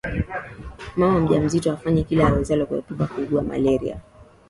mama mjamzito afanye kila awezalo kuepuka kuugua malaria